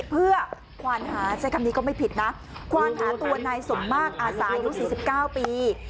เพื่อควานหาใช้คำนี้ก็ไม่ผิดนะควานหาตัวนายสมมากอาสาอายุ๔๙ปี